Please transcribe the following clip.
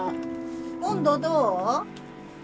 温度どう？